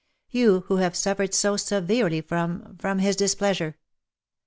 You who have suffered so severely from — from his displeasure.